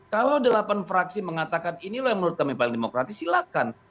kalau delapan fraksi mengatakan ini loh yang menurut kami paling demokratis silakan